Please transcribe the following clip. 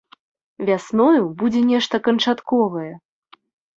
Вясною будзе нешта канчатковае.